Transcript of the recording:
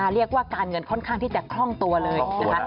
เรียกว่าการเงินค่อนข้างที่จะคล่องตัวเลยนะคะ